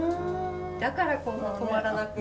だからこんな止まらなく。